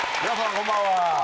こんばんは。